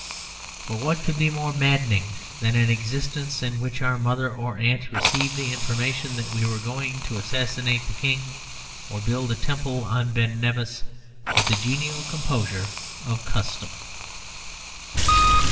For what could be more maddening than an existence in which our mother or aunt received the information that we were going to assassinate the King or build a temple on Ben Nevis with the genial composure of custom?